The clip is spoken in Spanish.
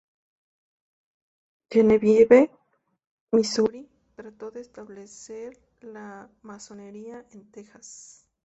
Genevieve, Missouri, trató de establecer la masonería en Texas.